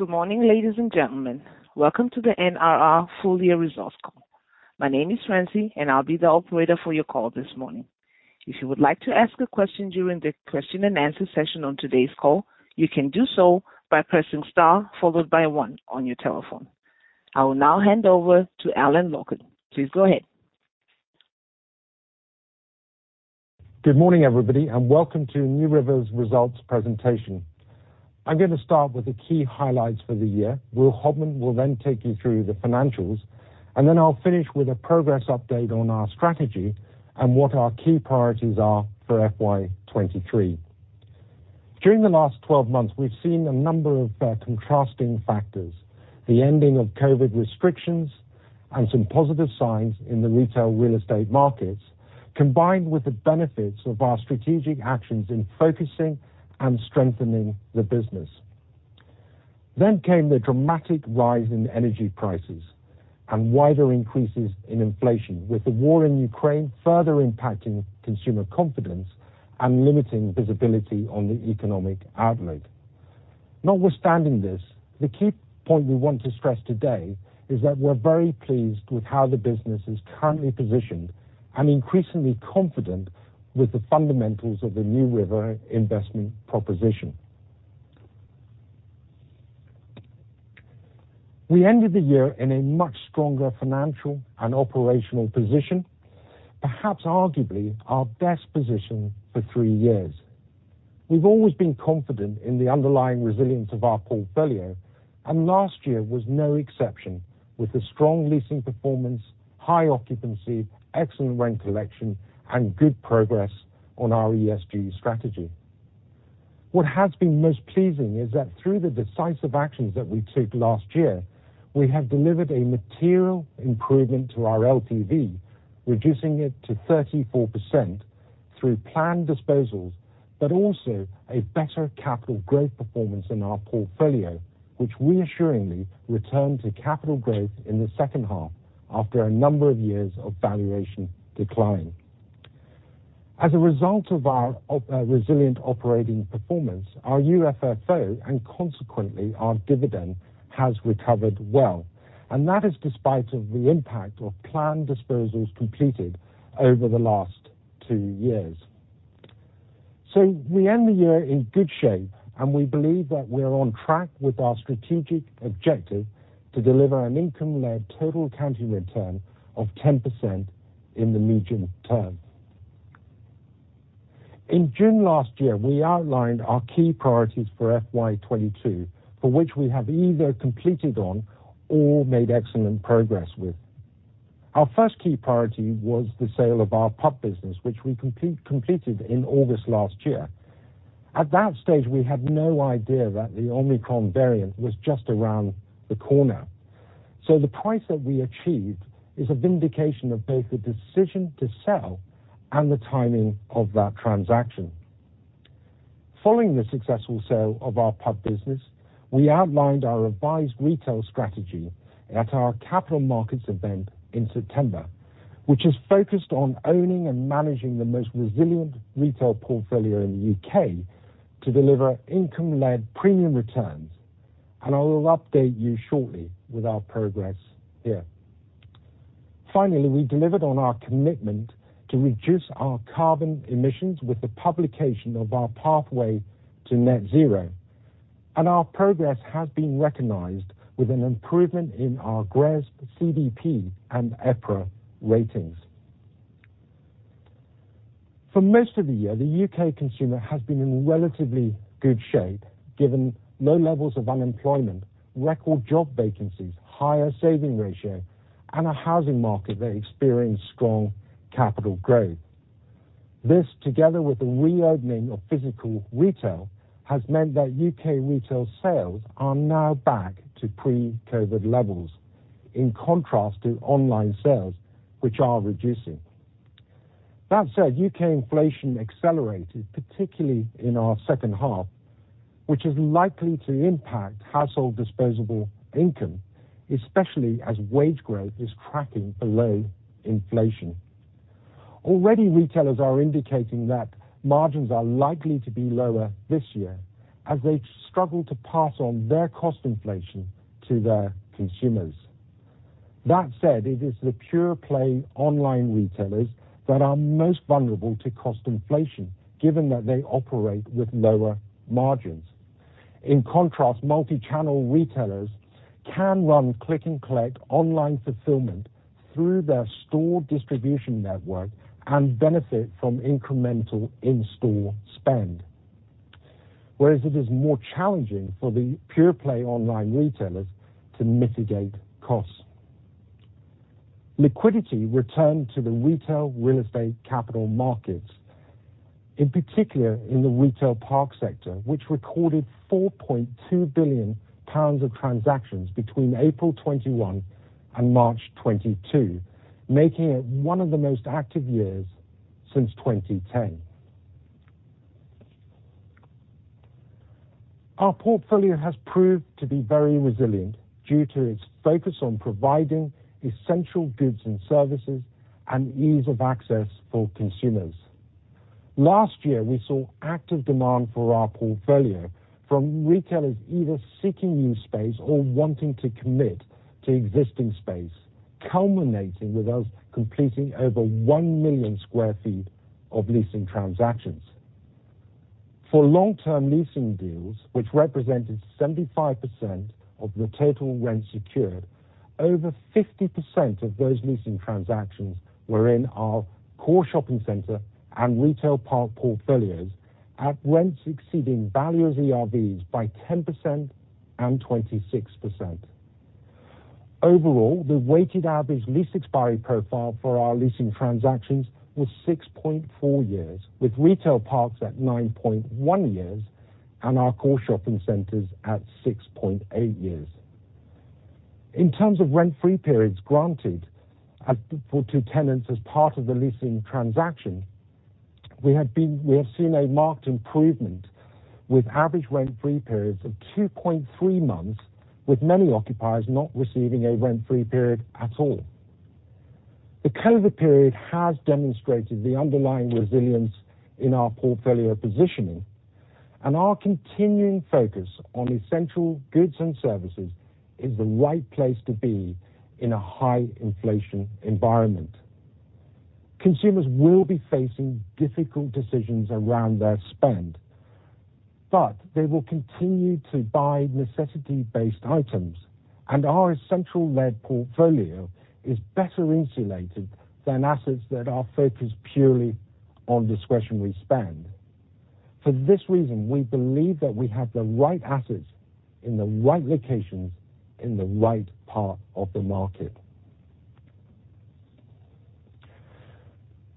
Good morning, ladies and gentlemen. Welcome to the NRR full year results call. My name is Francie, and I'll be the operator for your call this morning. If you would like to ask a question during the question and answer session on today's call, you can do so by pressing star followed by one on your telephone. I will now hand over to Allan Lockhart. Please go ahead. Good morning, everybody, and welcome to NewRiver REIT's results presentation. I'm gonna start with the key highlights for the year. Will Hobman will then take you through the financials, and then I'll finish with a progress update on our strategy and what our key priorities are for FY 2023. During the last 12 months, we've seen a number of contrasting factors, the ending of COVID restrictions and some positive signs in the retail real estate markets, combined with the benefits of our strategic actions in focusing and strengthening the business. Came the dramatic rise in energy prices and wider increases in inflation, with the war in Ukraine further impacting consumer confidence and limiting visibility on the economic outlook. Notwithstanding this, the key point we want to stress today is that we're very pleased with how the business is currently positioned and increasingly confident with the fundamentals of the NewRiver investment proposition. We ended the year in a much stronger financial and operational position, perhaps arguably our best position for three years. We've always been confident in the underlying resilience of our portfolio, and last year was no exception, with a strong leasing performance, high occupancy, excellent rent collection, and good progress on our ESG strategy. What has been most pleasing is that through the decisive actions that we took last year, we have delivered a material improvement to our LTV, reducing it to 34% through planned disposals, but also a better capital growth performance in our portfolio, which reassuringly returned to capital growth in the second half after a number of years of valuation decline. As a result of our resilient operating performance, our UFFO and consequently our dividend has recovered well, and that is despite of the impact of planned disposals completed over the last two years. We end the year in good shape, and we believe that we're on track with our strategic objective to deliver an income-led total accounting return of 10% in the medium term. In June last year, we outlined our key priorities for FY 2022, for which we have either completed on or made excellent progress with. Our first key priority was the sale of our pub business, which we completed in August last year. At that stage, we had no idea that the Omicron variant was just around the corner. The price that we achieved is a vindication of both the decision to sell and the timing of that transaction. Following the successful sale of our pub business, we outlined our revised retail strategy at our capital markets event in September, which is focused on owning and managing the most resilient retail portfolio in the U.K. to deliver income-led premium returns, and I will update you shortly with our progress here. Finally, we delivered on our commitment to reduce our carbon emissions with the publication of our pathway to net zero, and our progress has been recognized with an improvement in our GRESB CDP and EPRA ratings. For most of the year, the U.K. consumer has been in relatively good shape, given low levels of unemployment, record job vacancies, higher saving ratio, and a housing market that experienced strong capital growth. This, together with the reopening of physical retail, has meant that U.K. retail sales are now back to pre-COVID levels, in contrast to online sales, which are reducing. That said, U.K. Inflation accelerated, particularly in our H2, which is likely to impact household disposable income, especially as wage growth is tracking below inflation. Already, retailers are indicating that margins are likely to be lower this year as they struggle to pass on their cost inflation to their consumers. That said, it is the pure play online retailers that are most vulnerable to cost inflation, given that they operate with lower margins. In contrast, multi-channel retailers can run click-and-collect online fulfillment through their store distribution network and benefit from incremental in-store spend. Whereas it is more challenging for the pure play online retailers to mitigate costs. Liquidity returned to the retail real estate capital markets, in particular in the retail park sector, which recorded 4.2 billion pounds of transactions between April 2021 and March 2022, making it one of the most active years since 2010. Our portfolio has proved to be very resilient due to its focus on providing essential goods and services and ease of access for consumers. Last year, we saw active demand for our portfolio from retailers either seeking new space or wanting to commit to existing space, culminating with us completing over 1 million sq ft of leasing transactions. For long-term leasing deals, which represented 75% of the total rent secured, over 50% of those leasing transactions were in our core shopping center and retail park portfolios at rents exceeding value of ERVs by 10% and 26%. Overall, the weighted average lease expiry profile for our leasing transactions was 6.4 years, with retail parks at 9.1 years and our core shopping centers at 6.8 years. In terms of rent-free periods granted to tenants as part of the leasing transaction, we have seen a marked improvement with average rent-free periods of 2.3 months, with many occupiers not receiving a rent-free period at all. The COVID period has demonstrated the underlying resilience in our portfolio positioning, and our continuing focus on essential goods and services is the right place to be in a high inflation environment. Consumers will be facing difficult decisions around their spend, but they will continue to buy necessity-based items, and our essential-led portfolio is better insulated than assets that are focused purely on discretionary spend. For this reason, we believe that we have the right assets in the right locations in the right part of the market.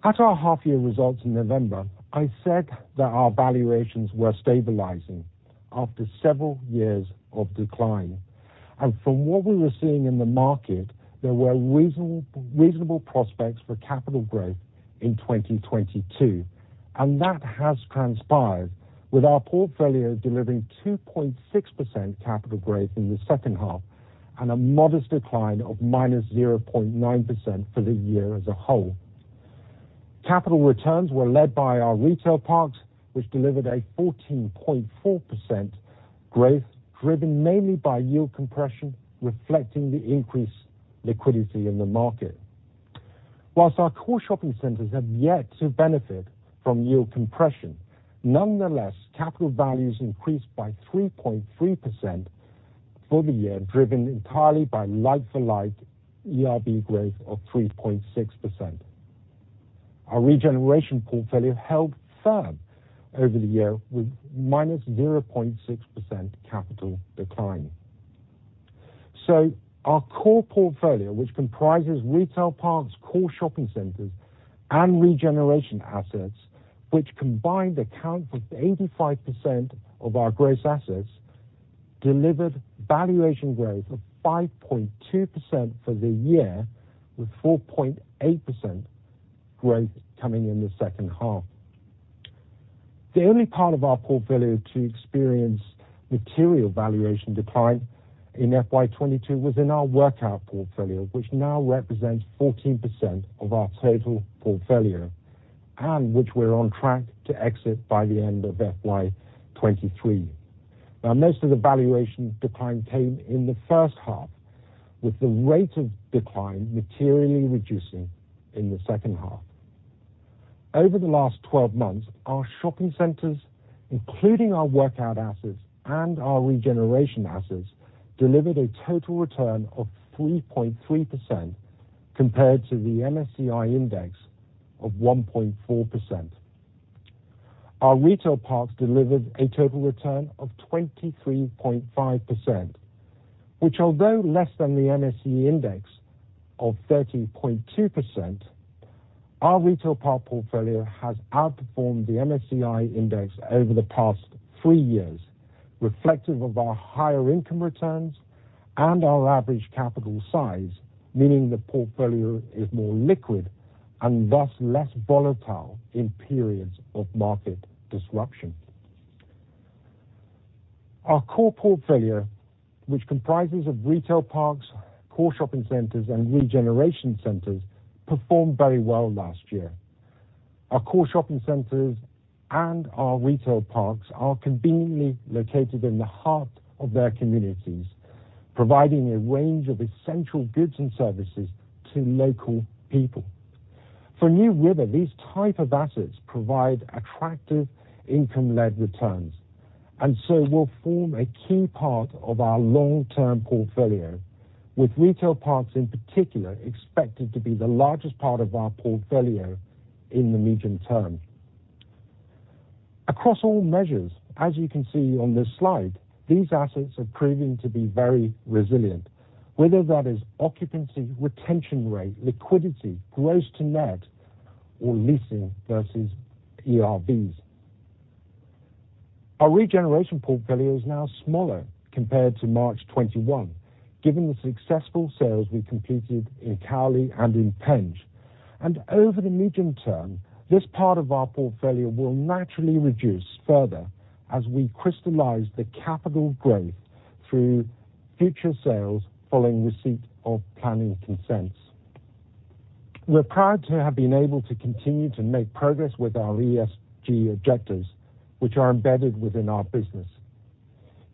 At our half-year results in November, I said that our valuations were stabilizing after several years of decline. From what we were seeing in the market, there were reasonable prospects for capital growth in 2022, and that has transpired, with our portfolio delivering 2.6% capital growth in H2 and a modest decline of -0.9% for the year as a whole. Capital returns were led by our retail parks, which delivered a 14.4% growth, driven mainly by yield compression, reflecting the increased liquidity in the market. While our core shopping centers have yet to benefit from yield compression, nonetheless, capital values increased by 3.3% for the year, driven entirely by like-for-like ERV growth of 3.6%. Our regeneration portfolio held firm over the year with -0.6% capital decline. Our core portfolio, which comprises retail parks, core shopping centers and regeneration assets, which combined account for 85% of our gross assets, delivered valuation growth of 5.2% for the year, with 4.8% growth coming in H2. The only part of our portfolio to experience material valuation decline in FY 2022 was in our workout portfolio, which now represents 14% of our total portfolio and which we're on track to exit by the end of FY 2023. Now, most of the valuation decline came in the first half, with the rate of decline materially reducing in the second half. Over the last twelve months, our shopping centers, including our workout assets and our regeneration assets, delivered a total return of 3.3% compared to the MSCI index of 1.4%. Our retail parks delivered a total return of 23.5%, which, although less than the MSCI index of 13.2%, our retail park portfolio has outperformed the MSCI index over the past 3 years, reflective of our higher income returns and our average capital size, meaning the portfolio is more liquid and thus less volatile in periods of market disruption. Our core portfolio, which comprises of retail parks, core shopping centers, and regeneration centers, performed very well last year. Our core shopping centers and our retail parks are conveniently located in the heart of their communities, providing a range of essential goods and services to local people. For NewRiver, these type of assets provide attractive income-led returns and so will form a key part of our long-term portfolio, with retail parks in particular expected to be the largest part of our portfolio in the medium term. Across all measures, as you can see on this slide, these assets are proving to be very resilient, whether that is occupancy, retention rate, liquidity, gross to net, or leasing versus ERVs. Our regeneration portfolio is now smaller compared to March 2021, given the successful sales we completed in Cowley and in Penge. Over the medium term, this part of our portfolio will naturally reduce further as we crystallize the capital growth through future sales following receipt of planning consents. We're proud to have been able to continue to make progress with our ESG objectives, which are embedded within our business.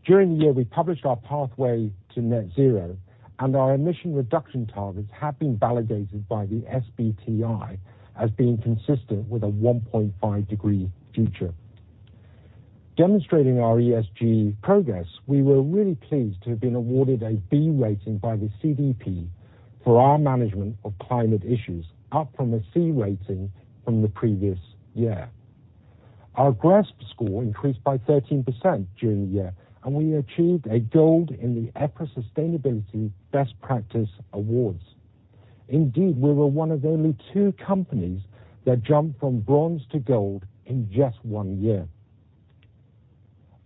During the year, we published our pathway to net zero, and our emission reduction targets have been validated by the SBTi as being consistent with a 1.5-degree future. Demonstrating our ESG progress, we were really pleased to have been awarded a B rating by the CDP for our management of climate issues, up from a C rating from the previous year. Our GRESB score increased by 13% during the year, and we achieved a gold in the EPRA Sustainability Best Practice Awards. Indeed, we were one of only two companies that jumped from bronze to gold in just one year.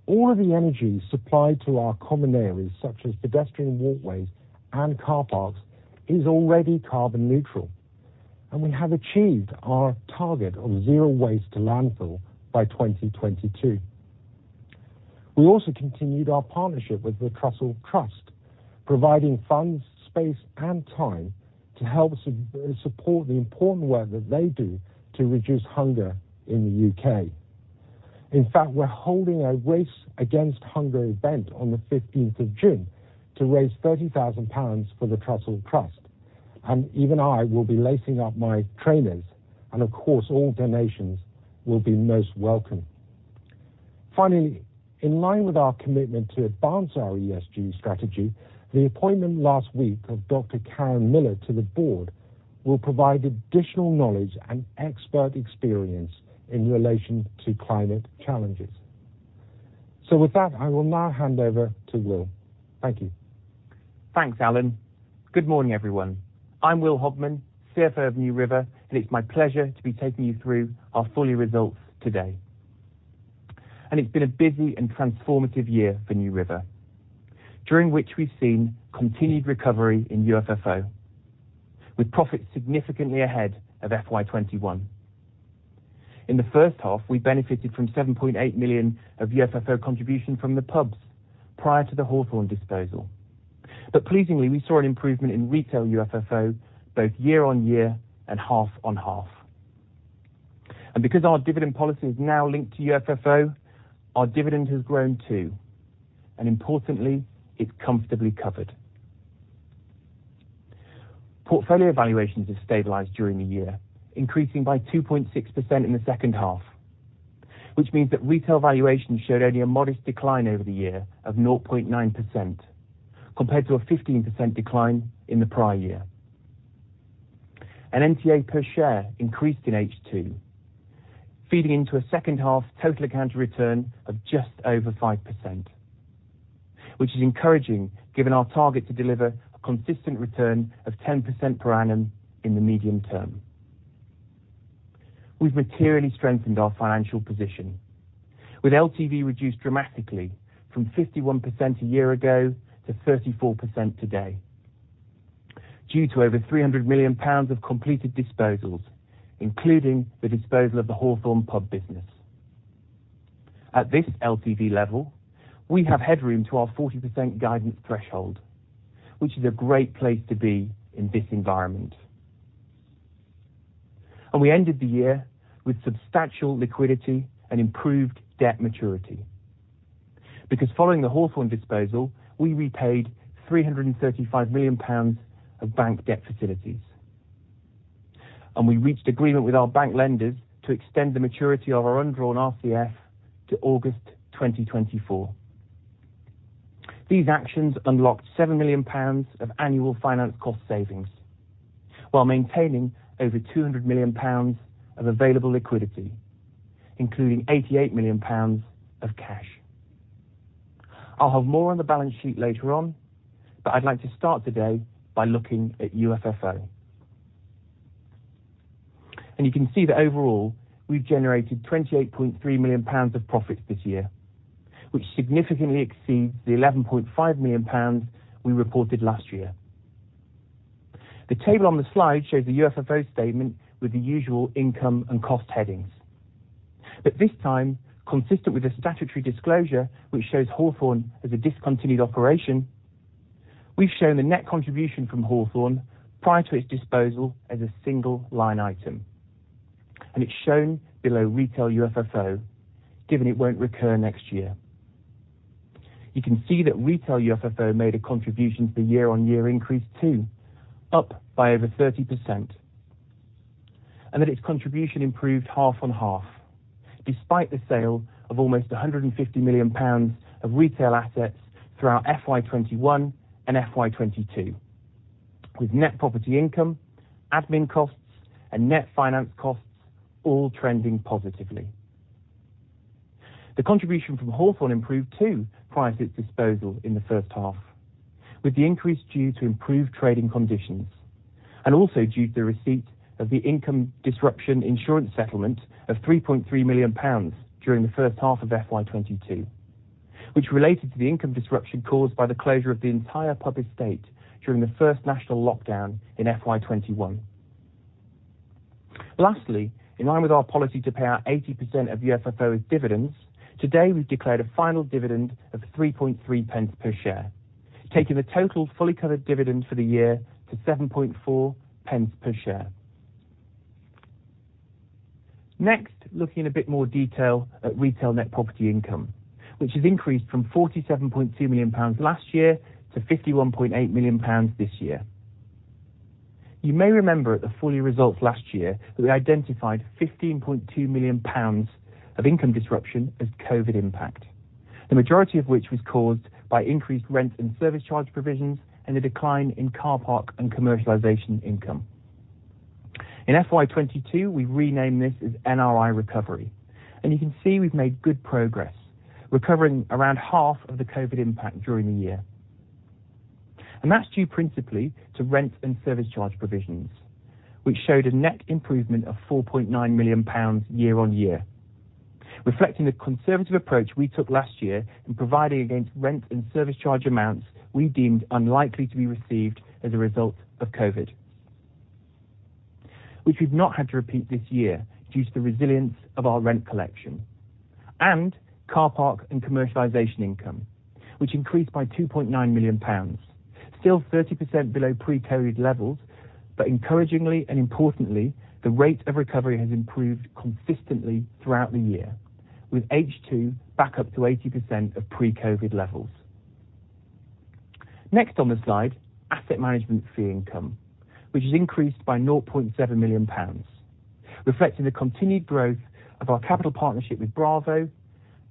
All of the energy supplied to our common areas, such as pedestrian walkways and car parks, is already carbon neutral, and we have achieved our target of zero waste to landfill by 2022. We also continued our partnership with the Trussell Trust, providing funds, space, and time to help support the important work that they do to reduce hunger in the U.K. In fact, we're holding a Race Against Hunger event on the fifteenth of June to raise 30,000 pounds for the Trussell Trust, and even I will be lacing up my trainers, and of course, all donations will be most welcome. Finally, in line with our commitment to advance our ESG strategy, the appointment last week of Dr Karen Miller to the board will provide additional knowledge and expert experience in relation to climate challenges. With that, I will now hand over to Will. Thank you. Thanks, Allan. Good morning, everyone. I'm Will Hobman, CFO of New River, and it's my pleasure to be taking you through our full year results today. It's been a busy and transformative year for New River, during which we've seen continued recovery in UFFO, with profits significantly ahead of FY 2021. In the first half, we benefited from 7.8 million of UFFO contribution from the pubs prior to the Hawthorn disposal. Pleasingly, we saw an improvement in retail UFFO both year-on-year and half-on-half. Because our dividend policy is now linked to UFFO, our dividend has grown too, and importantly, it's comfortably covered. Portfolio valuations have stabilized during the year, increasing by 2.6% in H2, which means that retail valuations showed only a modest decline over the year of 0.9%, compared to a 15% decline in the prior year. NTA per share increased in H2, feeding into a H2 total account return of just over 5%, which is encouraging given our target to deliver a consistent return of 10% per annum in the medium term. We've materially strengthened our financial position, with LTV reduced dramatically from 51% a year ago to 34% today, due to over 300 million pounds of completed disposals, including the disposal of the Hawthorn pub business. At this LTV level, we have headroom to our 40% guidance threshold, which is a great place to be in this environment. We ended the year with substantial liquidity and improved debt maturity, because following the Hawthorn disposal, we repaid 335 million pounds of bank debt facilities. We reached agreement with our bank lenders to extend the maturity of our undrawn RCF to August 2024. These actions unlocked 7 million pounds of annual finance cost savings, while maintaining over 200 million pounds of available liquidity, including 88 million pounds of cash. I'll have more on the balance sheet later on, but I'd like to start today by looking at UFFO. You can see that overall, we've generated 28.3 million pounds of profits this year, which significantly exceeds the 11.5 million pounds we reported last year. The table on the slide shows the UFFO statement with the usual income and cost headings. This time, consistent with the statutory disclosure, which shows Hawthorn as a discontinued operation, we've shown the net contribution from Hawthorn prior to its disposal as a single line item. It's shown below retail UFFO, given it won't recur next year. You can see that retail UFFO made a contribution to the year-on-year increase too, up by over 30%, and that its contribution improved half on half, despite the sale of almost 150 million pounds of retail assets throughout FY 2021 and FY 2022, with net property income, admin costs, and net finance costs all trending positively. The contribution from Hawthorn improved too, prior to its disposal in H1, with the increase due to improved trading conditions, and also due to the receipt of the income disruption insurance settlement of 3.3 million pounds during H1 of FY 2022, which related to the income disruption caused by the closure of the entire pub estate during the first national lockdown in FY 2021. Lastly, in line with our policy to pay out 80% of UFFO as dividends, today we've declared a final dividend of 0.033 per share, taking the total fully covered dividend for the year to 0.074 per share. Next, looking in a bit more detail at retail net property income, which has increased from 47.2 million pounds last year to 51.8 million pounds this year. You may remember at the full-year results last year, that we identified 15.2 million pounds of income disruption as COVID impact, the majority of which was caused by increased rent and service charge provisions, and the decline in car park and commercialization income. In FY 2022, we renamed this as NRI Recovery. You can see we've made good progress, recovering around half of the COVID impact during the year. That's due principally to rent and service charge provisions, which showed a net improvement of 4.9 million pounds year-on-year, reflecting the conservative approach we took last year in providing against rent and service charge amounts we deemed unlikely to be received as a result of COVID, which we've not had to repeat this year due to the resilience of our rent collection. Car park and commercialization income, which increased by 2.9 million pounds, still 30% below pre-COVID levels, but encouragingly and importantly, the rate of recovery has improved consistently throughout the year, with H2 back up to 80% of pre-COVID levels. Next on the slide, asset management fee income, which has increased by 0.7 million pounds, reflecting the continued growth of our capital partnership with Bravo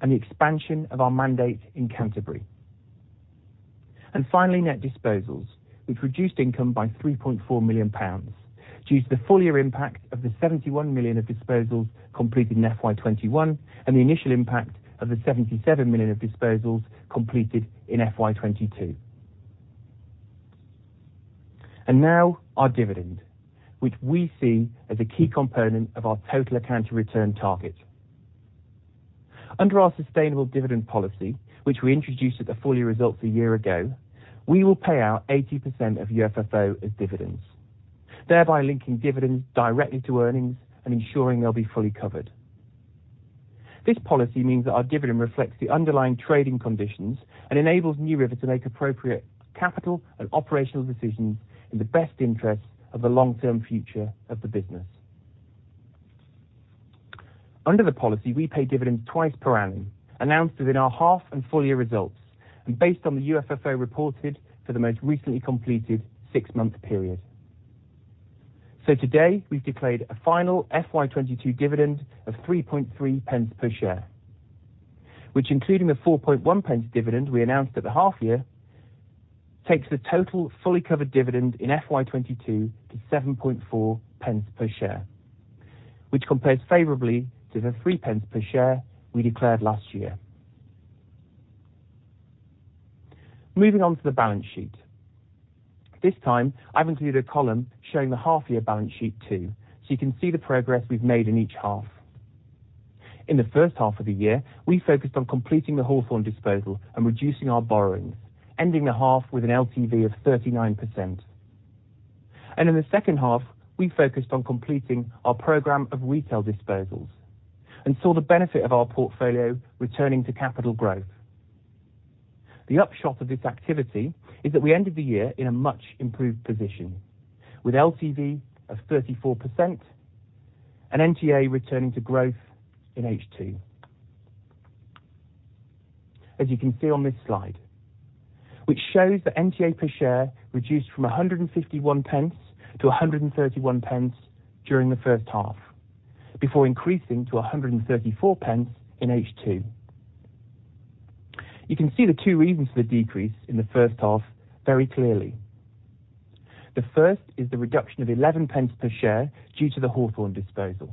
and the expansion of our mandate in Canterbury. Finally, net disposals, which reduced income by 3.4 million pounds due to the full year impact of the 71 million of disposals completed in FY 2021, and the initial impact of the 77 million of disposals completed in FY 2022. Now our dividend, which we see as a key component of our total amount to return target. Under our sustainable dividend policy, which we introduced at the full year results a year ago, we will pay out 80% of UFFO as dividends, thereby linking dividends directly to earnings and ensuring they'll be fully covered. This policy means that our dividend reflects the underlying trading conditions and enables NewRiver to make appropriate capital and operational decisions in the best interest of the long-term future of the business. Under the policy, we pay dividends twice per annum, announced within our half and full year results, and based on the UFFO reported for the most recently completed six-month period. Today, we've declared a final FY 2022 dividend of 3.3 pence per share, which, including the 4.1 pence dividend we announced at the half year, takes the total fully covered dividend in FY 2022 to 7.4 pence per share, which compares favorably to the 3 pence per share we declared last year. Moving on to the balance sheet. This time, I've included a column showing the half year balance sheet too, so you can see the progress we've made in each half. In H1 of the year, we focused on completing the Hawthorn disposal and reducing our borrowings, ending the half with an LTV of 39%. In H2, we focused on completing our program of retail disposals and saw the benefit of our portfolio returning to capital growth. The upshot of this activity is that we ended the year in a much improved position, with LTV of 34% and NTA returning to growth in H2. As you can see on this slide, which shows that NTA per share reduced from 1.51 to 1.31 during the first half, before increasing to 1.34 in H2. You can see the two reasons for the decrease in the first half very clearly. The first is the reduction of 0.11 per share due to the Hawthorn disposal,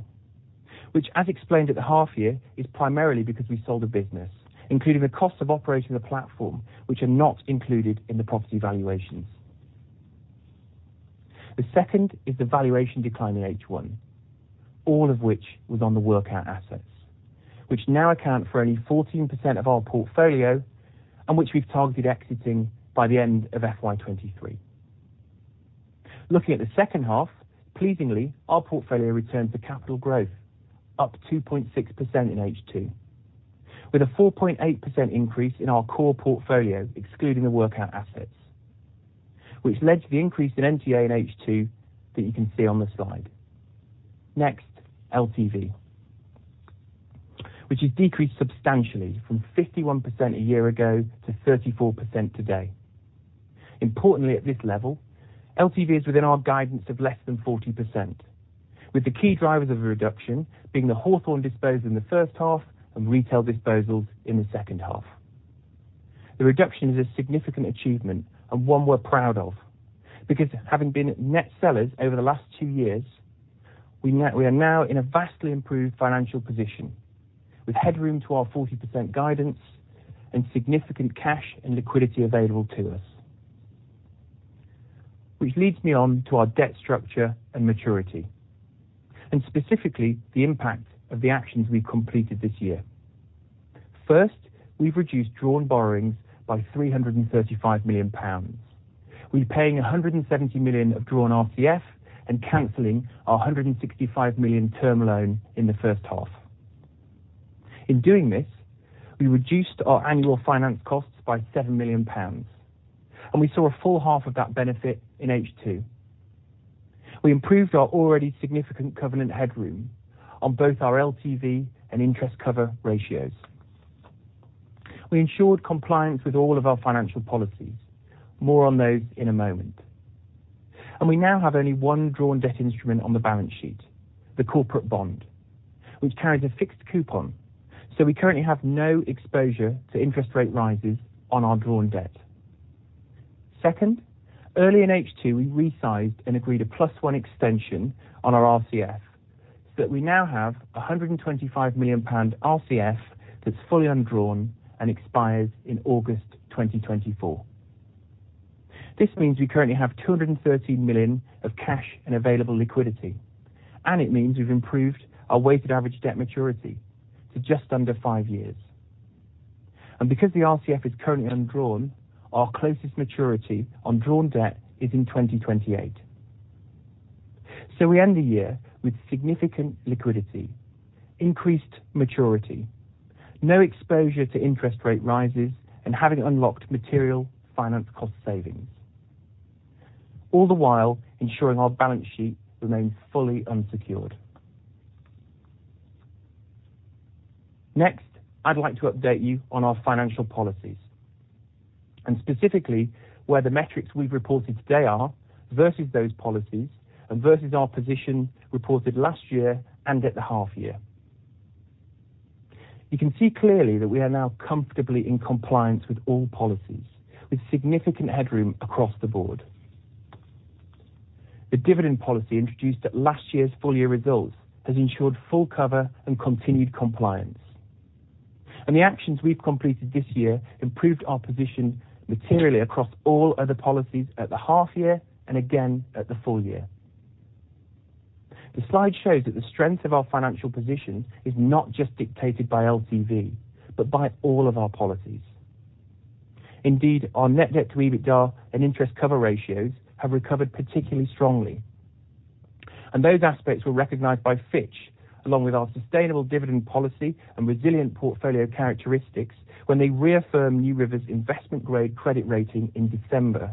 which, as explained at the half year, is primarily because we sold a business, including the cost of operating the platform, which are not included in the property valuations. The second is the valuation decline in H1, all of which was on the workout assets, which now account for only 14% of our portfolio and which we've targeted exiting by the end of FY 2023. Looking at the H2 pleasingly, our portfolio returned to capital growth, up 2.6% in H2, with a 4.8% increase in our core portfolio, excluding the workout assets, which led to the increase in NTA in H2 that you can see on the slide. Next, LTV, which has decreased substantially from 51% a year ago to 34% today. Importantly at this level, LTV is within our guidance of less than 40%, with the key drivers of the reduction being the Hawthorn disposed in the first half and retail disposals in H2. The reduction is a significant achievement and one we're proud of because having been net sellers over the last two years, we are now in a vastly improved financial position with headroom to our 40% guidance and significant cash and liquidity available to us. Which leads me on to our debt structure and maturity, and specifically the impact of the actions we've completed this year. First, we've reduced drawn borrowings by 335 million pounds. We're paying 170 million of drawn RCF and canceling our 165 million term loan in the first half. In doing this, we reduced our annual finance costs by 7 million pounds, and we saw a full half of that benefit in H2. We improved our already significant covenant headroom on both our LTV and interest cover ratios. We ensured compliance with all of our financial policies. More on those in a moment. We now have only one drawn debt instrument on the balance sheet, the corporate bond, which carries a fixed coupon, so we currently have no exposure to interest rate rises on our drawn debt. Second, early in H2, we resized and agreed a plus one extension on our RCF, so that we now have a 125 million pound RCF that's fully undrawn and expires in August 2024. This means we currently have 230 million of cash and available liquidity, and it means we've improved our weighted average debt maturity to just under five years. Because the RCF is currently undrawn, our closest maturity on drawn debt is in 2028. We end the year with significant liquidity, increased maturity, no exposure to interest rate rises, and having unlocked material finance cost savings, all the while ensuring our balance sheet remains fully unsecured. Next, I'd like to update you on our financial policies, and specifically where the metrics we've reported today are versus those policies and versus our position reported last year and at the half year. You can see clearly that we are now comfortably in compliance with all policies with significant headroom across the board. The dividend policy introduced at last year's full year results has ensured full cover and continued compliance. The actions we've completed this year improved our position materially across all other policies at the half year and again at the full year. The slide shows that the strength of our financial position is not just dictated by LTV, but by all of our policies. Indeed, our net debt to EBITDA and interest cover ratios have recovered particularly strongly. Those aspects were recognized by Fitch, along with our sustainable dividend policy and resilient portfolio characteristics when they reaffirmed NewRiver's investment grade credit rating in December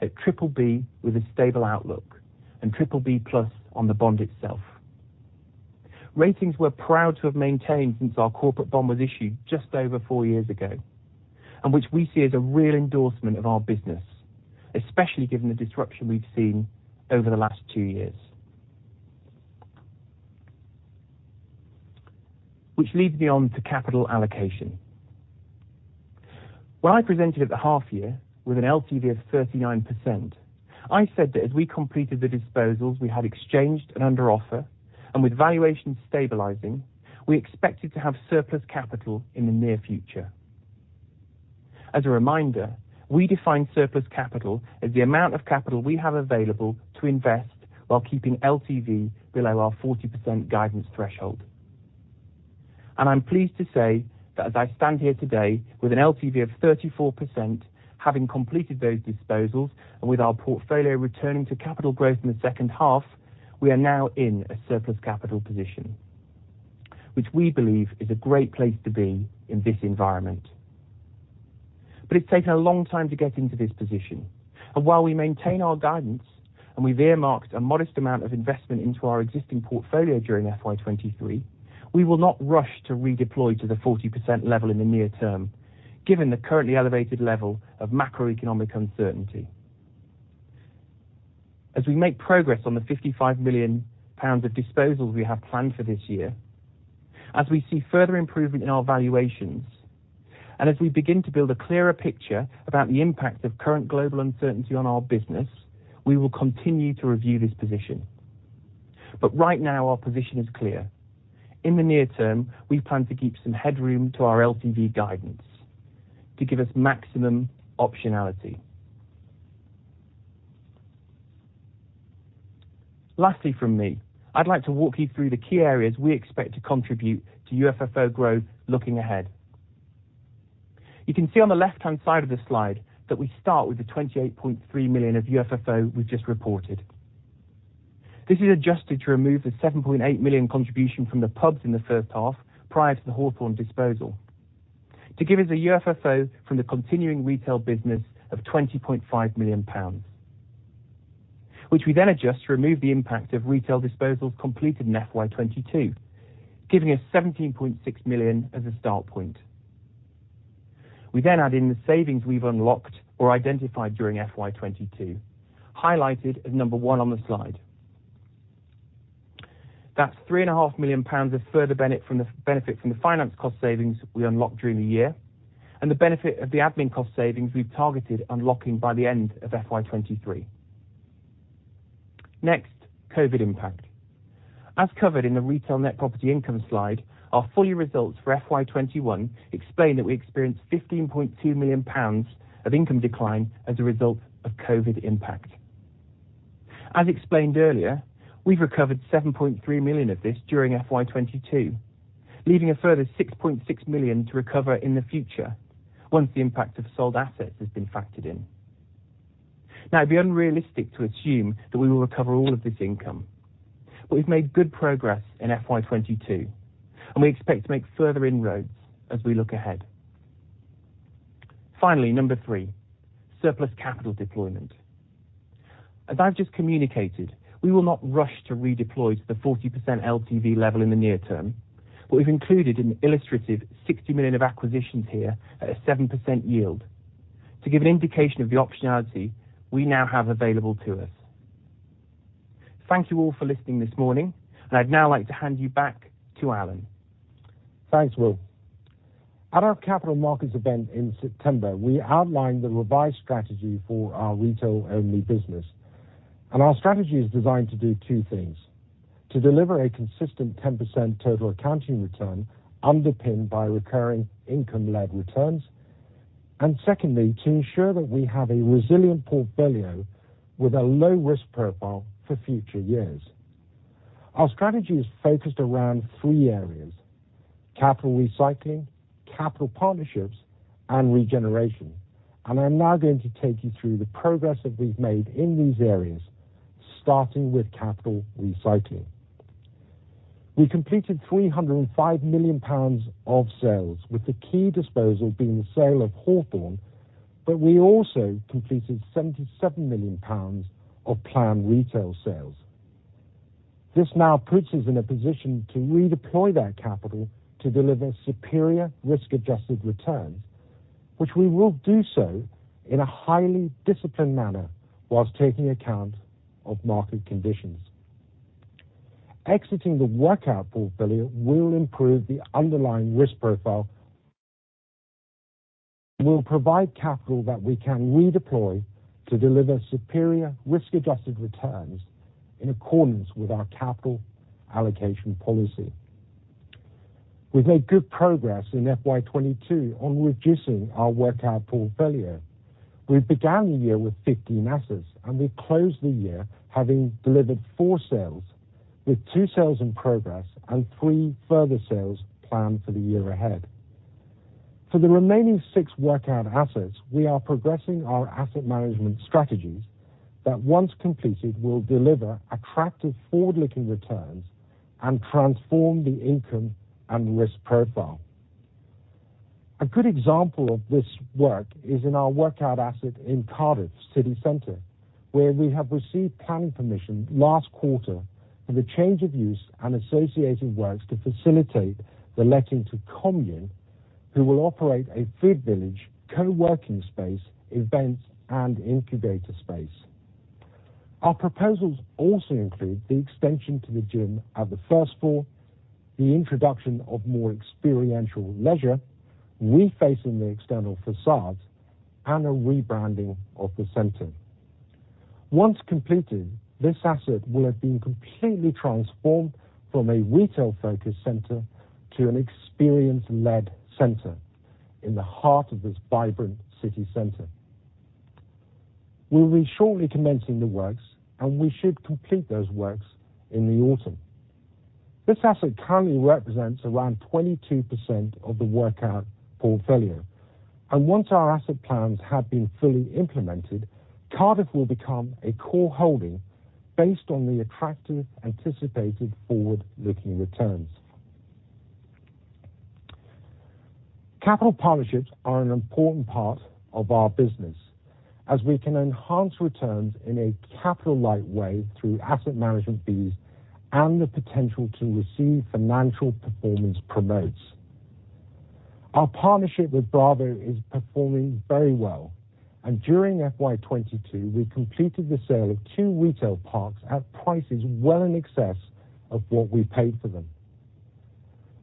at BBB with a stable outlook and BBB+ on the bond itself. Ratings we're proud to have maintained since our corporate bond was issued just over four years ago, and which we see as a real endorsement of our business, especially given the disruption we've seen over the last two years. Which leads me on to capital allocation. When I presented at the half year with an LTV of 39%, I said that as we completed the disposals we had exchanged and under offer, and with valuations stabilizing, we expected to have surplus capital in the near future. As a reminder, we define surplus capital as the amount of capital we have available to invest while keeping LTV below our 40% guidance threshold. I'm pleased to say that as I stand here today with an LTV of 34%, having completed those disposals and with our portfolio returning to capital growth in H2, we are now in a surplus capital position, which we believe is a great place to be in this environment. It's taken a long time to get into this position. While we maintain our guidance and we've earmarked a modest amount of investment into our existing portfolio during FY 2023, we will not rush to redeploy to the 40% level in the near term, given the currently elevated level of macroeconomic uncertainty. As we make progress on the 55 million pounds of disposals we have planned for this year, as we see further improvement in our valuations, and as we begin to build a clearer picture about the impact of current global uncertainty on our business, we will continue to review this position. Right now our position is clear. In the near term, we plan to keep some headroom to our LTV guidance to give us maximum optionality. Lastly from me, I'd like to walk you through the key areas we expect to contribute to UFFO growth looking ahead. You can see on the left-hand side of the slide that we start with the 28.3 million of UFFO we've just reported. This is adjusted to remove the 7.8 million contribution from the pubs in H1 prior to the Hawthorn disposal to give us a UFFO from the continuing retail business of 20.5 million pounds, which we then adjust to remove the impact of retail disposals completed in FY 2022, giving us 17.6 million as a start point. We then add in the savings we've unlocked or identified during FY 2022, highlighted as number one on the slide. That's 3.5 million pounds of further benefit from the finance cost savings we unlocked during the year and the benefit of the admin cost savings we've targeted unlocking by the end of FY 2023. Next, COVID impact. As covered in the retail net property income slide, our full year results for FY 2021 explain that we experienced 15.2 million pounds of income decline as a result of COVID impact. As explained earlier, we've recovered 7.3 million of this during FY 2022, leaving a further 6.6 million to recover in the future, once the impact of sold assets has been factored in. Now, it'd be unrealistic to assume that we will recover all of this income, but we've made good progress in FY 2022, and we expect to make further inroads as we look ahead. Finally, number 3, surplus capital deployment. As I've just communicated, we will not rush to redeploy to the 40% LTV level in the near term, but we've included an illustrative 60 million of acquisitions here at a 7% yield to give an indication of the optionality we now have available to us. Thank you all for listening this morning, and I'd now like to hand you back to Allan. Thanks, Will. At our capital markets event in September, we outlined the revised strategy for our retail-only business, and our strategy is designed to do two things, to deliver a consistent 10% total accounting return underpinned by recurring income-led returns, and secondly, to ensure that we have a resilient portfolio with a low risk profile for future years. Our strategy is focused around three areas, capital recycling, capital partnerships, and regeneration. I'm now going to take you through the progress that we've made in these areas, starting with capital recycling. We completed 305 million pounds of sales, with the key disposal being the sale of Hawthorn, but we also completed GBP 77 million of planned retail sales. This now puts us in a position to redeploy that capital to deliver superior risk-adjusted returns, which we will do so in a highly disciplined manner while taking account of market conditions. Exiting the workout portfolio will improve the underlying risk profile. Will provide capital that we can redeploy to deliver superior risk-adjusted returns in accordance with our capital allocation policy. We've made good progress in FY 2022 on reducing our workout portfolio. We began the year with 15 assets, and we closed the year having delivered 4 sales, with 2 sales in progress and 3 further sales planned for the year ahead. For the remaining 6 workout assets, we are progressing our asset management strategies that once completed will deliver attractive forward-looking returns and transform the income and risk profile. A good example of this work is in our workout asset in Cardiff city center, where we have received planning permission last quarter for the change of use and associated works to facilitate the letting to Commune, who will operate a food village, co-working space, events, and incubator space. Our proposals also include the extension to the gym at the first floor, the introduction of more experiential leisure, refacing the external facades, and a rebranding of the center. Once completed, this asset will have been completely transformed from a retail-focused center to an experience-led center in the heart of this vibrant city center. We'll be shortly commencing the works, and we should complete those works in the autumn. This asset currently represents around 22% of the workout portfolio, and once our asset plans have been fully implemented, Cardiff will become a core holding based on the attractive anticipated forward-looking returns. Capital partnerships are an important part of our business, as we can enhance returns in a capital-light way through asset management fees and the potential to receive financial performance promotes. Our partnership with BRAVO is performing very well, and during FY 2022, we completed the sale of 2 retail parks at prices well in excess of what we paid for them.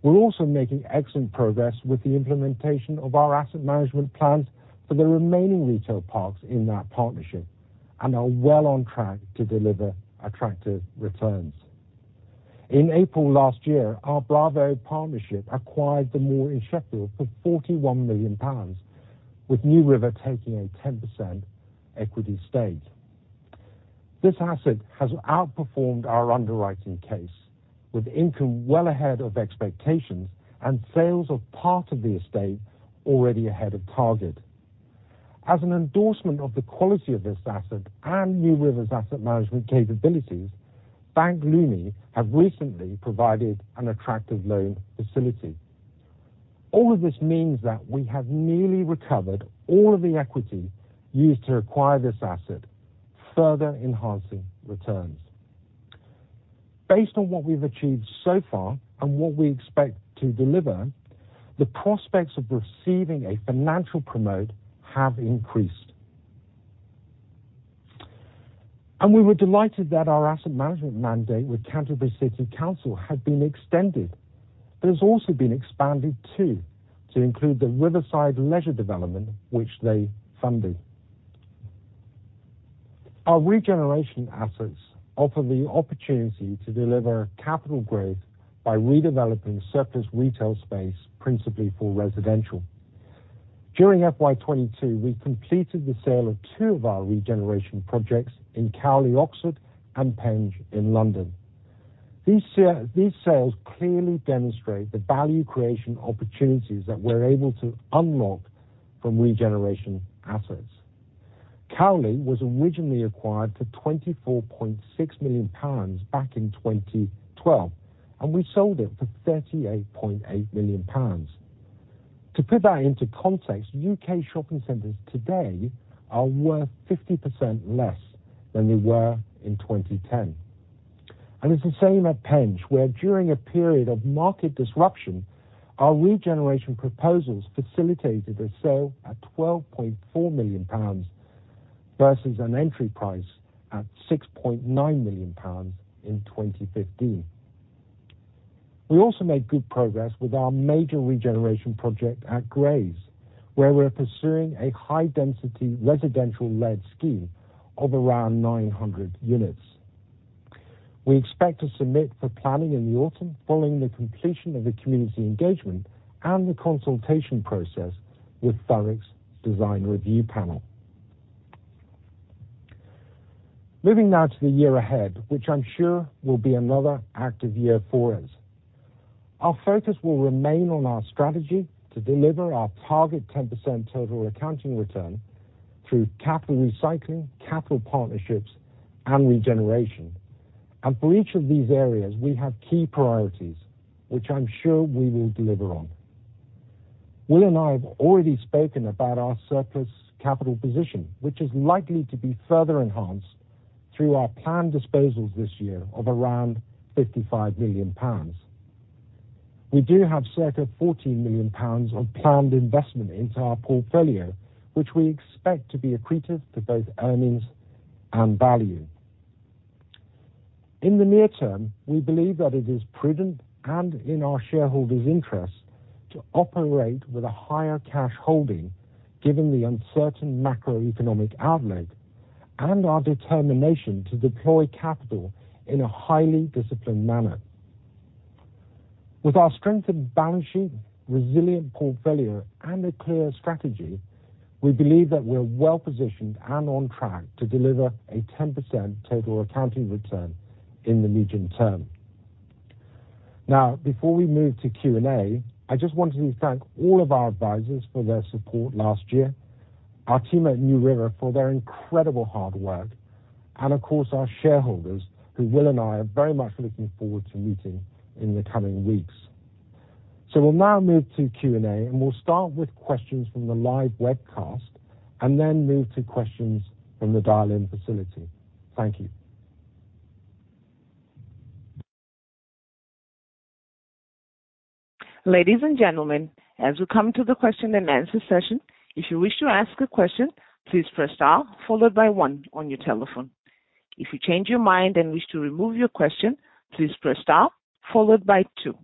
We're also making excellent progress with the implementation of our asset management plans for the remaining retail parks in that partnership and are well on track to deliver attractive returns. In April last year, our BRAVO partnership acquired The Moor in Sheffield for 41 million pounds, with NewRiver REIT taking a 10% equity stake. This asset has outperformed our underwriting case, with income well ahead of expectations and sales of part of the estate already ahead of target. As an endorsement of the quality of this asset and NewRiver REIT's asset management capabilities, Bank Leumi have recently provided an attractive loan facility. All of this means that we have nearly recovered all of the equity used to acquire this asset, further enhancing returns. Based on what we've achieved so far and what we expect to deliver, the prospects of receiving a financial promote have increased. We were delighted that our asset management mandate with Canterbury City Council had been extended, but it's also been expanded too, to include the riverside leisure development which they funded. Our regeneration assets offer the opportunity to deliver capital growth by redeveloping surplus retail space principally for residential. During FY22, we completed the sale of two of our regeneration projects in Cowley, Oxford and Penge in London. These sales clearly demonstrate the value creation opportunities that we're able to unlock from regeneration assets. Cowley was originally acquired for 24.6 million pounds back in 2012, and we sold it for 38.8 million pounds. To put that into context, U.K. shopping centers today are worth 50% less than they were in 2010. It's the same at Penge, where during a period of market disruption, our regeneration proposals facilitated a sale at 12.4 million pounds versus an entry price at 6.9 million pounds in 2015. We also made good progress with our major regeneration project at Grays, where we're pursuing a high density residential led scheme of around 900 units. We expect to submit for planning in the autumn following the completion of the community engagement and the consultation process with Thurrock Design Review Panel. Moving now to the year ahead, which I'm sure will be another active year for us. Our focus will remain on our strategy to deliver our target 10% total accounting return through capital recycling, capital partnerships and regeneration. For each of these areas, we have key priorities which I'm sure we will deliver on. Will and I have already spoken about our surplus capital position, which is likely to be further enhanced through our planned disposals this year of around 55 million pounds. We do have circa 14 million pounds of planned investment into our portfolio, which we expect to be accretive to both earnings and value. In the near term, we believe that it is prudent and in our shareholders' interests to operate with a higher cash holding given the uncertain macroeconomic outlook and our determination to deploy capital in a highly disciplined manner. With our strengthened balance sheet, resilient portfolio and a clear strategy, we believe that we're well positioned and on track to deliver a 10% total accounting return in the medium term. Now, before we move to Q&A, I just wanted to thank all of our advisors for their support last year, our team at NewRiver REIT for their incredible hard work, and of course, our shareholders, who Will and I are very much looking forward to meeting in the coming weeks. We'll now move to Q&A, and we'll start with questions from the live webcast and then move to questions from the dial-in facility. Thank you. Ladies and gentlemen, as we come to the question -answer-session, if you wish to ask a question, please press star followed by one on your telephone. If you change your mind and wish to remove your question, please press star followed by two.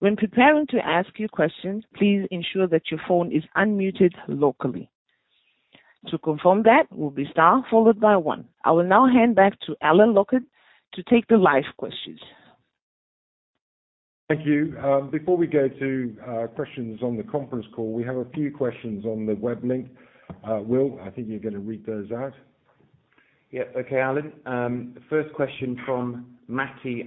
When preparing to ask your question, please ensure that your phone is unmuted locally. To confirm that will be star followed by one. I will now hand back to Allan Lockhart to take the live questions. Thank you. Before we go to questions on the conference call, we have a few questions on the web link. Will, I think you're gonna read those out. Yeah, okay, Allan. The first question from Mati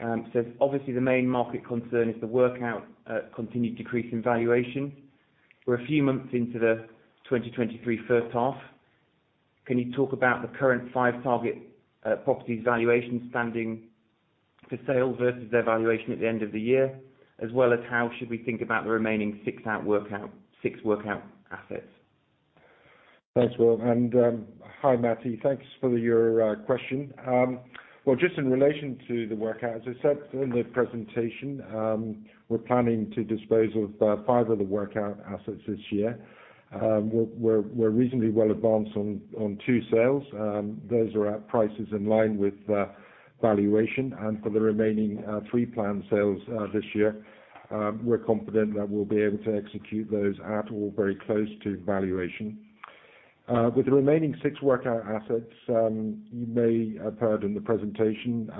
Aloni says, Obviously the main market concern is the workout continued decrease in valuation. We're a few months into the 2023 H1. Can you talk about the current five target properties valuation standing for sale versus their valuation at the end of the year, as well as how should we think about the remaining six workout assets? Thanks, Will, and hi, Mati. Thanks for your question. Well, just in relation to the workout, as I said in the presentation, we're planning to dispose of five of the workout assets this year. We're reasonably well advanced on two sales. Those are at prices in line with valuation, and for the remaining three planned sales this year, we're confident that we'll be able to execute those at or very close to valuation. With the remaining six workout assets, you may have heard in the presentation,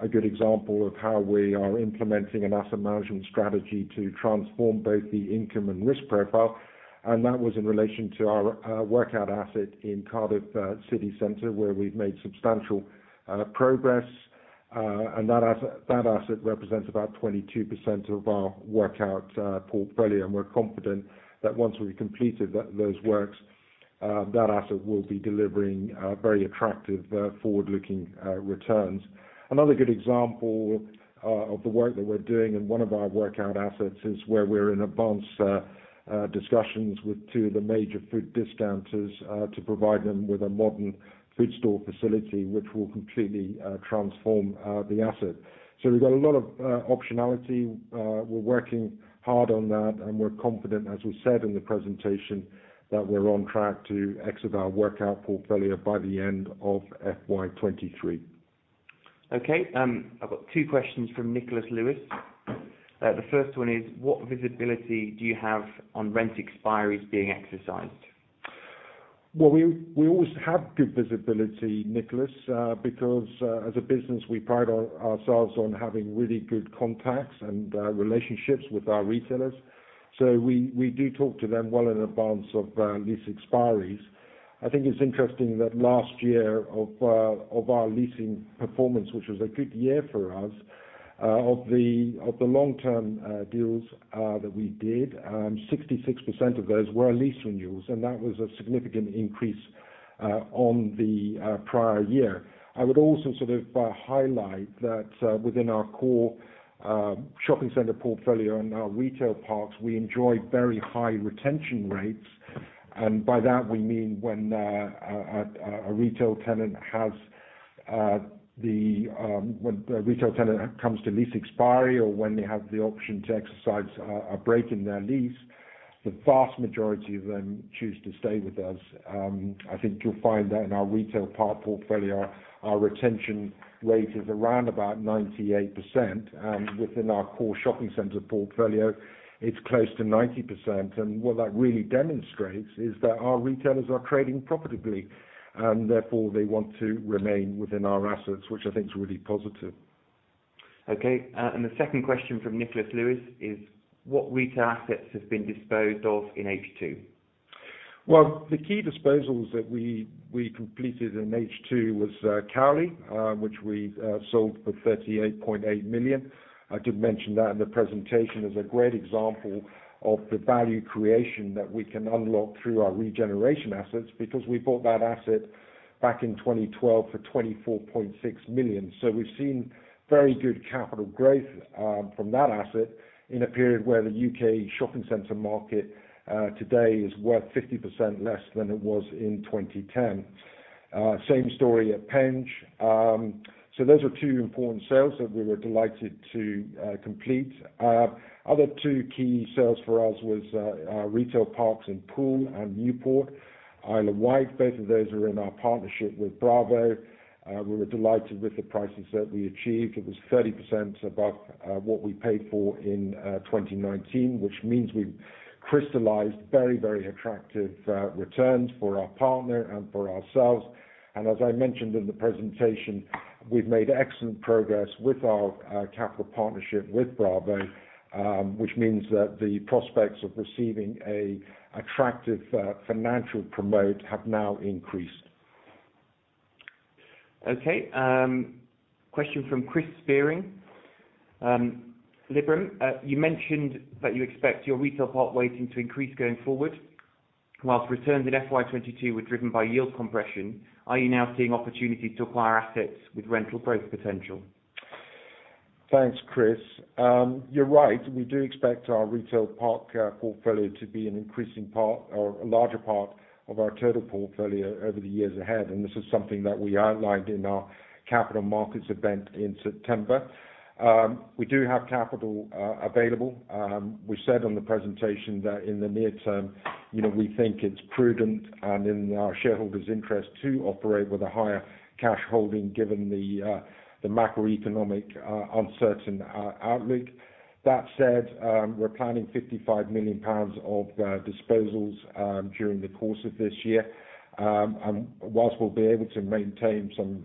a good example of how we are implementing an asset management strategy to transform both the income and risk profile, and that was in relation to our workout asset in Cardiff city center, where we've made substantial progress. That asset represents about 22% of our workout portfolio, and we're confident that once we've completed those works, that asset will be delivering very attractive forward-looking returns. Another good example of the work that we're doing in one of our workout assets is where we're in advanced discussions with two of the major food discounters to provide them with a modern food store facility which will completely transform the asset. We've got a lot of optionality. We're working hard on that, and we're confident, as we said in the presentation, that we're on track to exit our workout portfolio by the end of FY23. I've got two questions from Nicholas Lewis. The first one is, what visibility do you have on rent expiries being exercised? Well, we always have good visibility, Nicholas, because as a business, we pride ourselves on having really good contacts and relationships with our retailers. We do talk to them well in advance of lease expiries. I think it's interesting that last year of our leasing performance, which was a good year for us, of the long-term deals that we did, 66% of those were lease renewals, and that was a significant increase on the prior year. I would also sort of highlight that within our core shopping center portfolio and our retail parks, we enjoy very high retention rates, and by that, we mean when the retail tenant comes to lease expiry or when they have the option to exercise a break in their lease, the vast majority of them choose to stay with us. I think you'll find that in our retail park portfolio, our retention rate is around about 98%. Within our core shopping center portfolio, it's close to 90%. What that really demonstrates is that our retailers are trading profitably, and therefore, they want to remain within our assets, which I think is really positive. Okay. The second question from Nicholas Lewis is: What retail assets have been disposed of in H2? Well, the key disposals that we completed in H2 was Cowley, which we sold for 38.8 million. I did mention that in the presentation as a great example of the value creation that we can unlock through our regeneration assets because we bought that asset back in 2012 for 24.6 million. We've seen very good capital growth from that asset in a period where the U.K. shopping center market today is worth 50% less than it was in 2010. Same story at Penge. Those are two important sales that we were delighted to complete. Other two key sales for us was our retail parks in Poole and Newport, Isle of Wight. Both of those are in our partnership with BRAVO. We were delighted with the prices that we achieved. It was 30% above what we paid for in 2019, which means we've crystallized very, very attractive returns for our partner and for ourselves. As I mentioned in the presentation, we've made excellent progress with our capital partnership with BRAVO, which means that the prospects of receiving an attractive financial promote have now increased. Question from Chris Spearing, Liberum. You mentioned that you expect your retail part weighting to increase going forward. While returns in FY22 were driven by yield compression, are you now seeing opportunities to acquire assets with rental growth potential? Thanks, Chris. You're right. We do expect our retail park portfolio to be an increasing part or a larger part of our total portfolio over the years ahead, and this is something that we outlined in our capital markets event in September. We do have capital available. We said on the presentation that in the near term, you know, we think it's prudent and in our shareholders' interest to operate with a higher cash holding given the macroeconomic, uncertain outlook. That said, we're planning 55 million pounds of disposals during the course of this year. While we'll be able to maintain some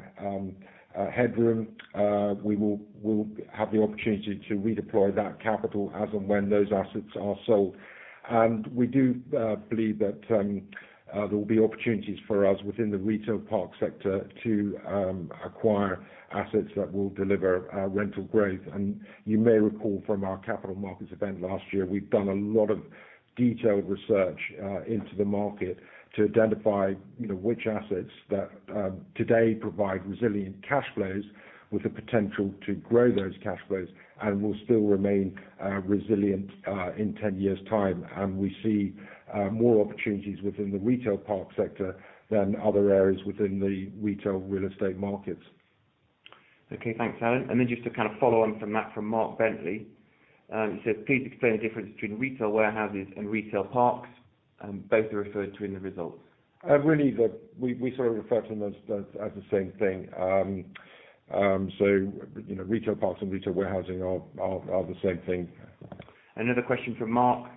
headroom, we'll have the opportunity to redeploy that capital as and when those assets are sold. We do believe that there will be opportunities for us within the retail park sector to acquire assets that will deliver rental growth. You may recall from our capital markets event last year, we've done a lot of detailed research into the market to identify, you know, which assets that today provide resilient cash flows with the potential to grow those cash flows and will still remain resilient in 10 years' time. We see more opportunities within the retail park sector than other areas within the retail real estate markets. Okay. Thanks, Allan. Just to kind of follow on from that from Mark Bentley, he says, please explain the difference between retail warehouses and retail parks. Both are referred to in the results. Really, we sort of refer to them as the same thing. You know, retail parks and retail warehousing are the same thing. Another question from Mark.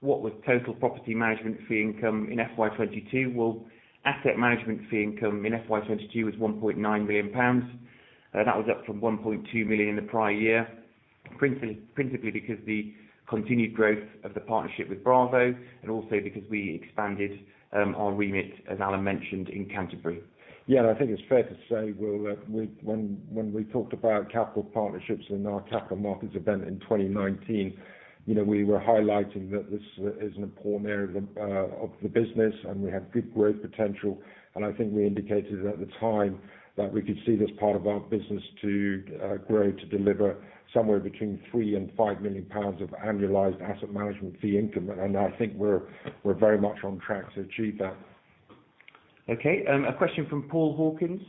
What was total property management fee income in FY22? Well, asset management fee income in FY22 was 1.9 million pounds. That was up from 1.2 million the prior year, principally because the continued growth of the partnership with Bravo and also because we expanded our remit, as Allan mentioned, in Canterbury. I think it's fair to say we'll, when we talked about capital partnerships in our capital markets event in 2019, you know, we were highlighting that this is an important area of the business, and we have good growth potential. I think we indicated at the time that we could see this part of our business to grow to deliver somewhere between 3 million and 5 million pounds of annualized asset management fee income. I think we're very much on track to achieve that. Okay. A question from Paul Hawkins.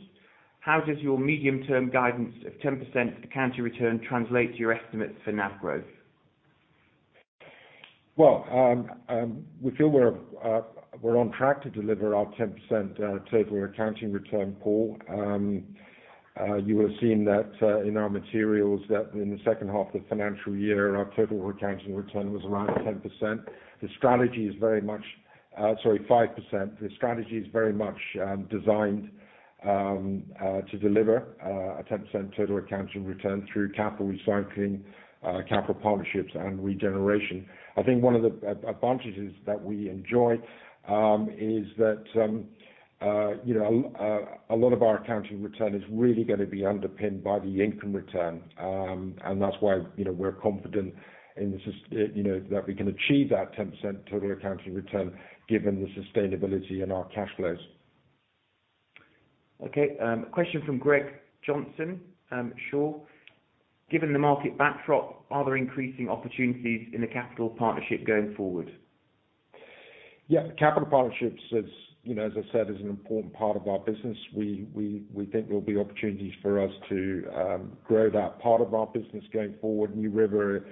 How does your medium-term guidance of 10% accounting return translate to your estimates for NAV growth? Well, we feel we're on track to deliver our 10% total accounting return, Paul. You will have seen that in our materials that in H2 of the financial year, our total accounting return was around 10%. Sorry, 5%. The strategy is very much designed to deliver a 10% total accounting return through capital recycling, capital partnerships, and regeneration. I think one of the advantages that we enjoy is that you know, a lot of our accounting return is really gonna be underpinned by the income return. That's why, you know, we're confident you know, that we can achieve that 10% total accounting return given the sustainability in our cash flows. Okay, question from Greg Johnson, Shore. Given the market backdrop, are there increasing opportunities in the capital partnership going forward? Yeah. Capital partnerships is, you know, as I said, is an important part of our business. We think there'll be opportunities for us to grow that part of our business going forward. NewRiver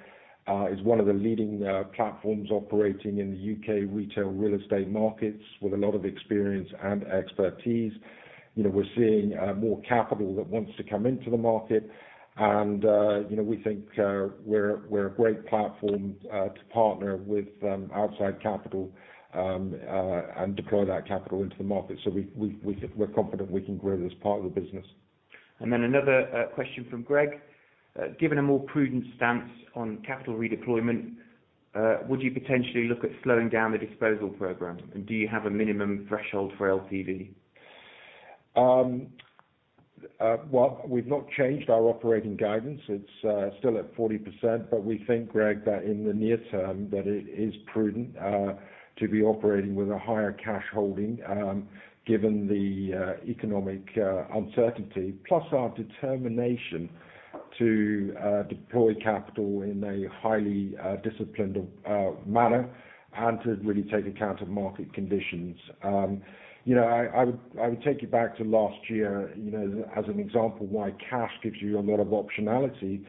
REIT is one of the leading platforms operating in the U.K. retail real estate markets with a lot of experience and expertise. You know, we're seeing more capital that wants to come into the market and, you know, we think we're a great platform to partner with outside capital and deploy that capital into the market. We're confident we can grow this part of the business. Another question from Greg. Given a more prudent stance on capital redeployment, would you potentially look at slowing down the disposal program, and do you have a minimum threshold for LTV? Well, we've not changed our operating guidance. It's still at 40%, but we think, Greg, that in the near term, that it is prudent to be operating with a higher cash holding, given the economic uncertainty. Plus our determination to deploy capital in a highly disciplined manner and to really take account of market conditions. You know, I would take you back to last year, you know, as an example why cash gives you a lot of optionality.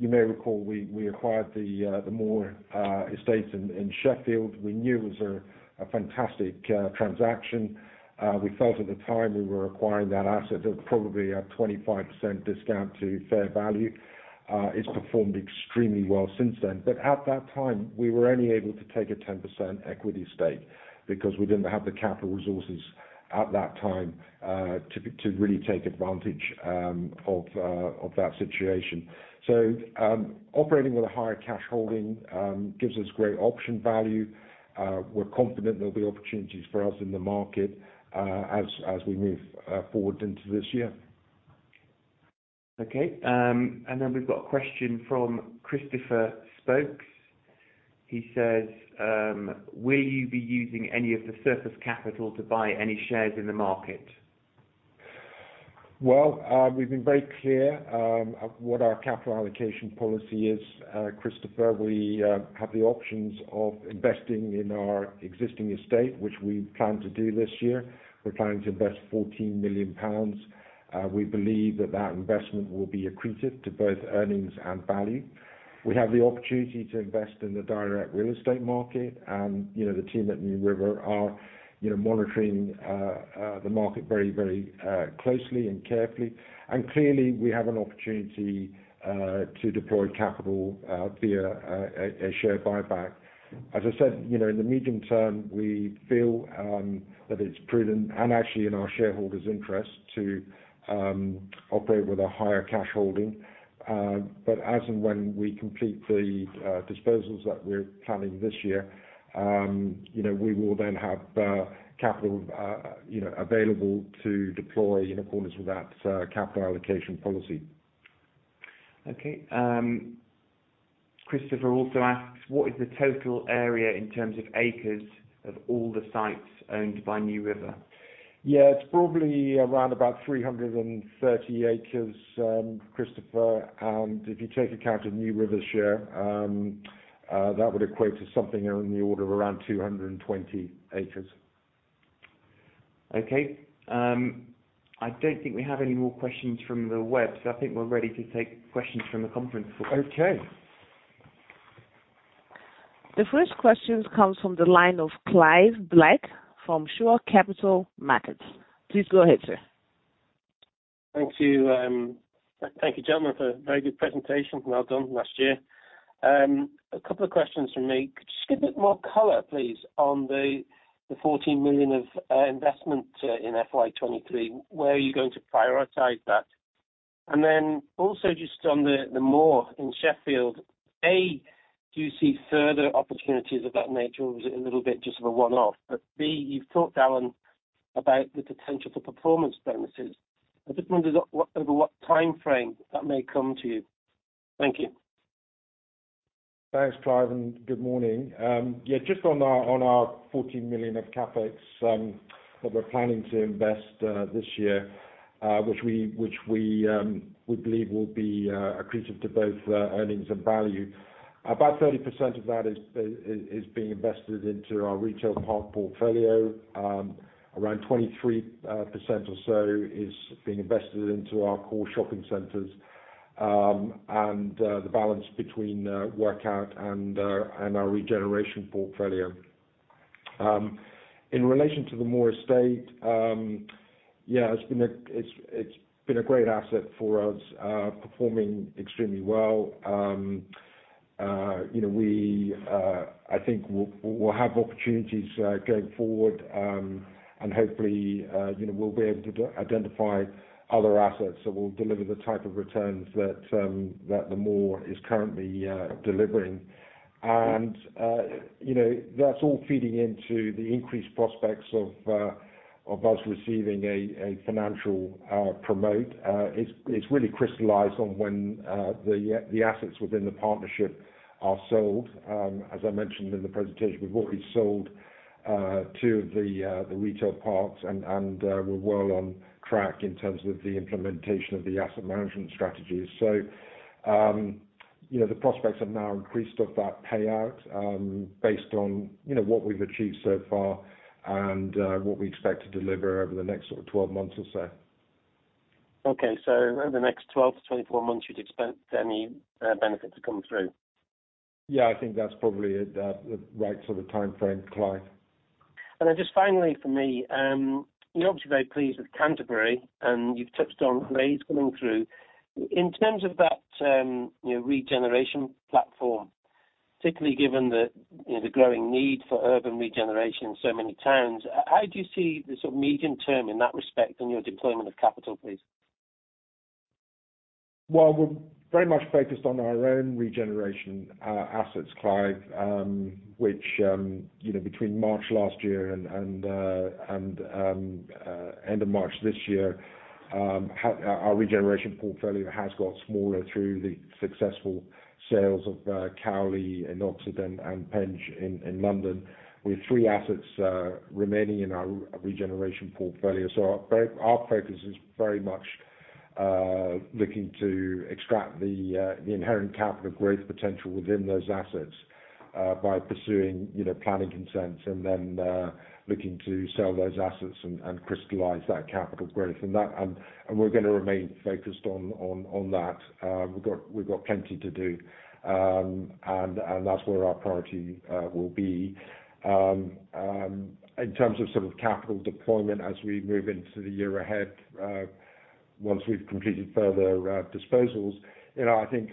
You may recall, we acquired The Moor estate in Sheffield. We knew it was a fantastic transaction. We felt at the time we were acquiring that asset at probably a 25% discount to fair value. It's performed extremely well since then but at that time, we were only able to take a 10% equity stake because we didn't have the capital resources at that time to really take advantage of that situation. Operating with a higher cash holding gives us great option value. We're confident there'll be opportunities for us in the market as we move forward into this year. Okay. We've got a question from Christopher Sheridan. He says: Will you be using any of the surplus capital to buy any shares in the market? Well, we've been very clear of what our capital allocation policy is, Christopher. We have the options of investing in our existing estate, which we plan to do this year. We're planning to invest 14 million pounds. We believe that that investment will be accretive to both earnings and value. We have the opportunity to invest in the direct real estate market and, you know, the team at NewRiver REIT are, you know, monitoring the market very closely and carefully. Clearly, we have an opportunity to deploy capital via a share buyback. As I said, you know, in the medium term, we feel that it's prudent and actually in our shareholders' interest to operate with a higher cash holding. As and when we complete the disposals that we're planning this year, you know, we will then have capital, you know, available to deploy in accordance with that capital allocation policy. Okay. Christopher also asks: What is the total area in terms of acres of all the sites owned by NewRiver REIT? Yeah. It's probably around about 330 acres, Christopher. If you take account of NewRiver REIT's share, that would equate to something in the order of around 220 acres. Okay. I don't think we have any more questions from the web, so I think we're ready to take questions from the conference floor. Okay. The first question comes from the line of Clive Black from Shore Capital Markets. Please go ahead, sir. Thank you. Thank you, gentlemen, for a very good presentation. Well done last year. A couple of questions from me. Could you just give a bit more color, please, on the 14 million of investment in FY 2023? Where are you going to prioritize that? Also just on The Moor in Sheffield, A, do you see further opportunities of that nature, or was it a little bit just of a one-off? B, you've talked, Allan, about the potential for performance bonuses. I just wondered at what, over what time frame that may come to you. Thank you. Thanks, Clive, and good morning. Yeah, just on our 14 million of CapEx that we're planning to invest this year, which we believe will be accretive to both earnings and value. About 30% of that is being invested into our retail park portfolio. Around 23% or so is being invested into our core shopping centers, and the balance between workout and our regeneration portfolio. In relation to The Moor estate, it's been a great asset for us, performing extremely well. You know, I think we'll have opportunities going forward, and hopefully, you know, we'll be able to identify other assets that will deliver the type of returns that that The Moor is currently delivering. You know, that's all feeding into the increased prospects of us receiving a financial promote. It's really crystallized on when the assets within the partnership are sold. As I mentioned in the presentation, we've already sold two of the retail parks and we're well on track in terms of the implementation of the asset management strategy. You know, the prospects have now increased of that payout, based on, you know, what we've achieved so far and what we expect to deliver over the next sort of 12 months or so. Over the next 12-24 months, you'd expect any benefit to come through? Yeah, I think that's probably the right sort of timeframe, Clive. Just finally for me, you're obviously very pleased with Canterbury, and you've touched on rates coming through. In terms of that, you know, the regeneration platform, particularly given the, you know, the growing need for urban regeneration in so many towns, how do you see the sort of medium term in that respect on your deployment of capital, please? Well, we're very much focused on our own regeneration assets, Clive, which, you know, between March last year and end of March this year, our regeneration portfolio has got smaller through the successful sales of Cowley and Oxford and Penge in London, with three assets remaining in our regeneration portfolio. Our focus is very much looking to extract the inherent capital growth potential within those assets by pursuing, you know, planning consents and then looking to sell those assets and crystallize that capital growth. We're gonna remain focused on that. We've got plenty to do. That's where our priority will be. In terms of sort of capital deployment as we move into the year ahead, once we've completed further disposals, you know, I think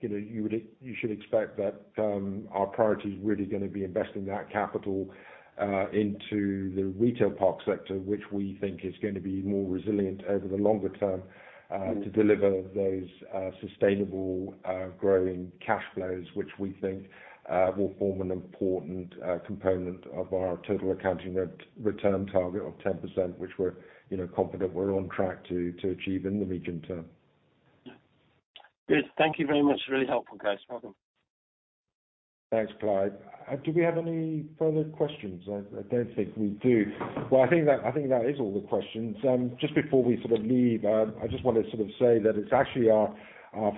you should expect that our priority is really gonna be investing that capital into the retail park sector, which we think is gonna be more resilient over the longer term to deliver those sustainable growing cash flows, which we think will form an important component of our total accounting return target of 10%, which we're, you know, confident we're on track to achieve in the medium term. Good. Thank you very much. Really helpful, guys. Welcome. Thanks, Clive. Do we have any further questions? I don't think we do. Well, I think that is all the questions. Just before we sort of leave, I just wanna sort of say that it's actually our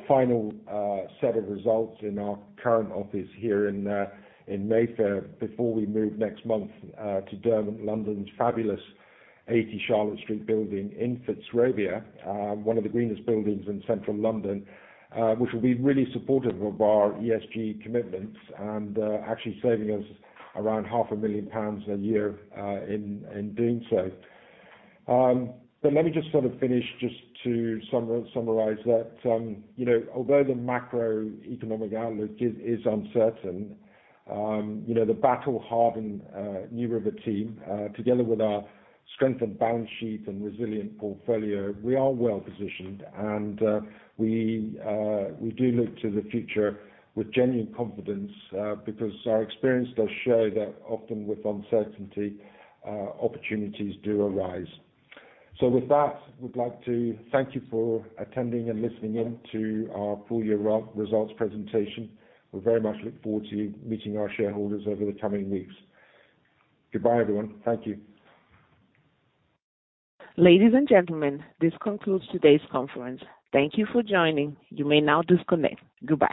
final set of results in our current office here in Mayfair before we move next month to London's fabulous 80 Charlotte Street building in Fitzrovia, one of the greenest buildings in central London, which will be really supportive of our ESG commitments and actually saving us around half a million pounds a year in doing so. Let me just sort of finish just to summarize that, you know, although the macroeconomic outlook is uncertain, you know, the battle-hardened NewRiver REIT team, together with our strengthened balance sheet and resilient portfolio, we are well positioned. We do look to the future with genuine confidence, because our experience does show that often with uncertainty, opportunities do arise. With that, we'd like to thank you for attending and listening in to our full year results presentation. We very much look forward to meeting our shareholders over the coming weeks. Goodbye, everyone. Thank you. Ladies and gentlemen, this concludes today's conference. Thank you for joining. You may now disconnect. Goodbye.